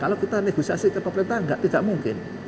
kalau kita negosiasi ke pemerintah tidak mungkin